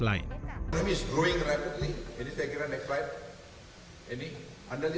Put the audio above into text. selain itu kualitas telepon atau sinyal internet masih belum memadai dengan median kecepatan lima belas delapan puluh dua mbps untuk jaringan mobile